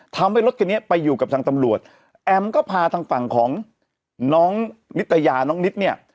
ทำให้รถคันนี้ไปอยู่กับทางตำรวจแอมก็พาทางฝั่งของน้องนิตยาน้องนิดเนี่ย